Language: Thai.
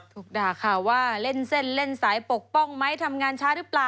ถูกด่าข่าวว่าเล่นเส้นเล่นสายปกป้องไหมทำงานช้าหรือเปล่า